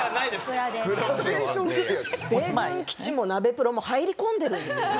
米軍基地もナベプロも入り込んでるんですよね。